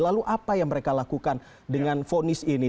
lalu apa yang mereka lakukan dengan fonis ini